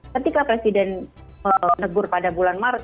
ketika presiden menegur pada bulan maret